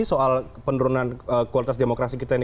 soal penurunan kualitas demokrasi kita ini